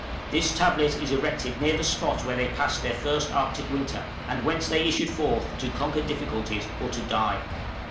THIS TABLET IS ERECTED NEAR THE SPOT WHERE THEY PASSED THEIR FIRST ARCTIC WINTER, AND WHENCE THEY ISSUED FORTH TO CONQUER DIFFICULTIES OR TO DIE.